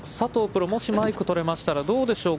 プロ、もしマイクが取れましたら、どうでしょう。